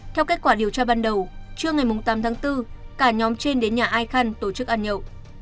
theo kết quả điều tra ban đầu trưa ngày tám tháng bốn cả nhóm trên đến nhà ai khăn tổ chức ăn nhậu